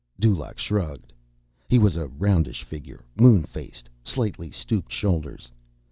_ Dulaq shrugged. He was a roundish figure, moon faced, slightly stooped shoulders.